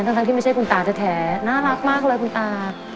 ทั้งที่ไม่ใช่คุณตาแท้น่ารักมากเลยคุณตา